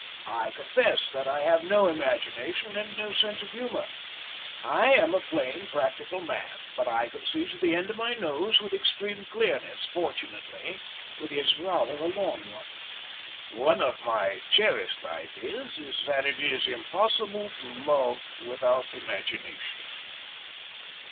"I confess that I have no imagination and no sense of humour. I am a plain, practical man, but I can see to the end of my nose with extreme clearness. Fortunately it is rather a long one." "One of my cherished ideas is that it is impossible to love without imagination."